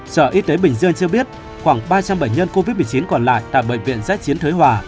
sở y tế bình dương cho biết khoảng ba trăm linh bệnh nhân covid một mươi chín còn lại tại bệnh viện giã chiến thới hòa